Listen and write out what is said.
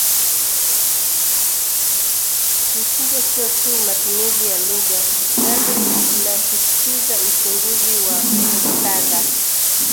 Mtindo sio tu matumizi ya lugha bali anasisitiza uchunguzi wa ‘muktadha